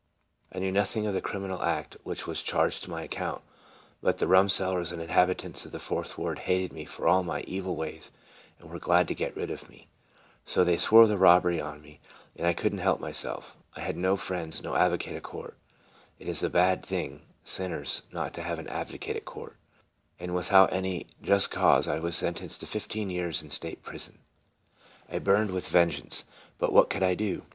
I knew nothing of the criminal act which was charged to my account; but the rumsellers and inhabitants of the Fourth ward hated me for all my evil ways, and were glad to get rid of me. So they swore the robbery on me, and I could n't help myself. I had no friends, no advocate at court, (it is a bad thing, sinners, not to have an advocate at court,) and without any just cause I was sentenced to fifteen years in Stateprison. I burned with vengeance; but what could I do?